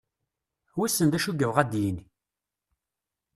Wissen d acu i yebɣa ad d-yini?